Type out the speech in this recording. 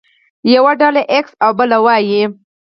يوه ډله ايکس او بله وايي.